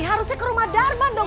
harusnya ke rumah darman dong